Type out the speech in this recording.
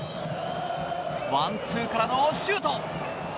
ワンツーからのシュート！